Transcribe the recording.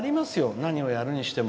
何をやるにしても。